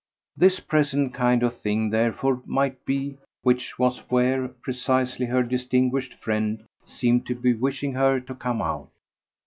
This present kind of thing therefore might be which was where precisely her distinguished friend seemed to be wishing her to come out.